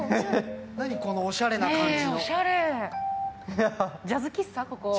このおしゃれな感じ。